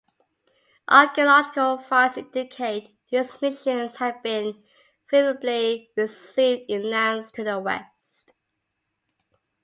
Archeological finds indicate these missions had been "favorably received" in lands to the West.